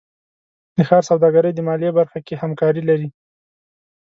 د ښار سوداګرۍ د مالیې برخه کې همکاري لري.